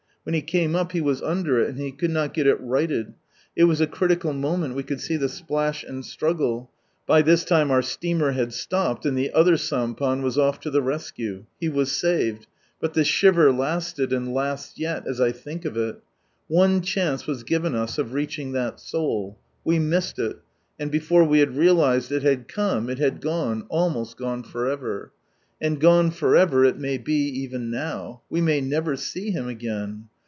When he came up, he w; and he could not get it righted ; It was a critical moment, we could see and struggle. By this time our steamer had slopped, and the other s off to the rescue. He was saved ; but tlie shiver lasted, and lasts yet, as I think of it. One chance was given us of reaching that soul, we missed il, and before we had realized it had come, it had gone, almost gone for ever. And gone for ever it may We may never see him again.